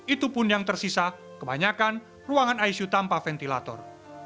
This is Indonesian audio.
itu pun yang tersisa kebanyakan ruangan icu tanpa ventilator